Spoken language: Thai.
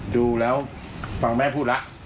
ดูแล้วฟังแม่พูดแล้ว